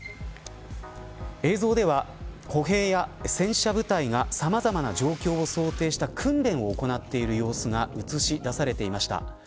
映像では、歩兵や戦車部隊がさまざまな状況を想定した訓練を行っている様子が映し出されていました。